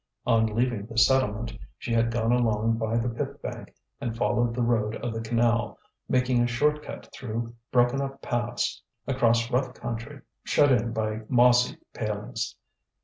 On leaving the settlement she had gone along by the pit bank and followed the road of the canal, making a short cut through broken up paths, across rough country shut in by mossy palings.